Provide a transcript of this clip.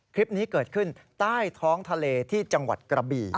คลิปนี้เกิดขึ้นใต้ท้องทะเลที่จังหวัดกระบี่